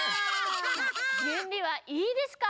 じゅんびはいいですか？